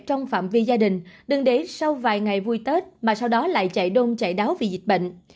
trong phạm vi gia đình đừng để sau vài ngày vui tết mà sau đó lại chạy đông chạy đáo vì dịch bệnh